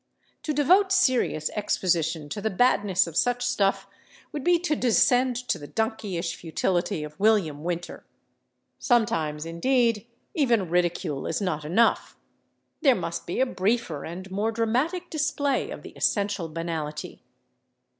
To devote serious exposition to the badness of such stuff would be to descend to the donkeyish futility of William Winter. Sometimes, indeed, even ridicule is not enough; there must be a briefer and more dramatic display of the essential banality.